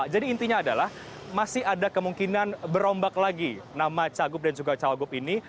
jadi intinya adalah masih ada kemungkinan berombak lagi nama cagup dan juga cagup ini